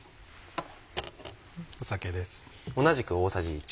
酒です。